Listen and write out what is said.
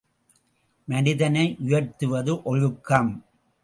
மனிதனை உயர்த்துவது ஒழுக்கம்.